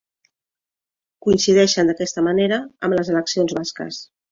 Coincideixen d'aquesta manera amb les eleccions basques.